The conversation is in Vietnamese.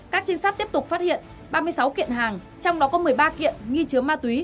các trinh sát tiếp tục phát hiện ba mươi sáu kiện hàng trong đó có một mươi ba kiện nghi chứa ma túy